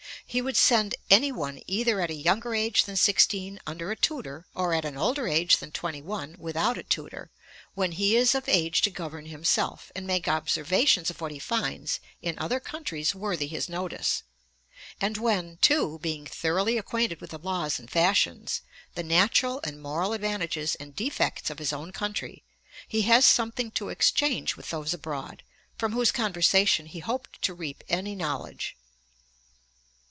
He would send any one either at a younger age than sixteen under a tutor, or at an older age than twenty one without a tutor; 'when he is of age to govern himself, and make observations of what he finds in other countries worthy his notice ... and when, too, being thoroughly acquainted with the laws and fashions, the natural and moral advantages and defects of his own country, he has something to exchange with those abroad, from whose conversation he hoped to reap any knowledge.'